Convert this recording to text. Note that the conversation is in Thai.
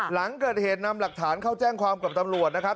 หลังเกิดเหตุนำหลักฐานเข้าแจ้งความกับตำรวจนะครับ